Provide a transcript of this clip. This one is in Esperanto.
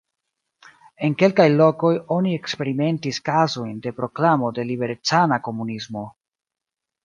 En kelkaj lokoj oni eksperimentis kazojn de proklamo de liberecana komunismo.